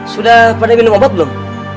sudah pada minum obat belum